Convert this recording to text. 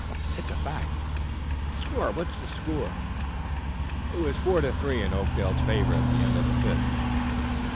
"It's a fact." "The score what's the score?" "It was four to three in Oakdale's favor at the end of the fifth."